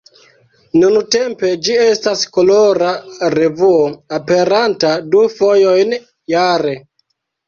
Nuntempe ĝi estas kolora revuo, aperanta du fojojn jare.